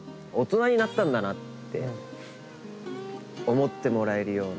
思ってもらえるような。